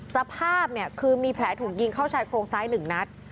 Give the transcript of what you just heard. สภาพเนี่ยคือมีแผลถูกยิงเข้าชายโครงซ้าย๑นัด